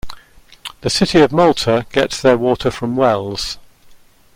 The city of Malta gets their water from wells.